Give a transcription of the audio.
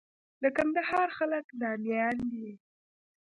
د کندهار خلک ناميان دي.